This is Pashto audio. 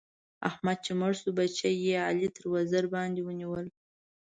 احمد چې مړ شو؛ بچي يې علي تر وزر باندې ونيول.